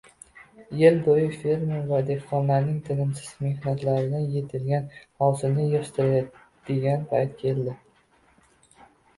Yil bo‘yi fermer va dehqonlarning tinimsiz mehnatlaridan yetilgan hosilni yig‘ishtiradigan payt keldi